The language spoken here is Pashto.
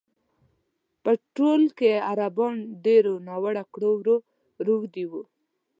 په ټول کې عربان ډېرو ناوړه کړو وړو روږ دي وو.